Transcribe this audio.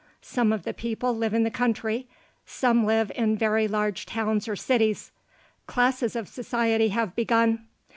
Some of the people live in the country; some live in very large towns or cities. Classes of society have begun.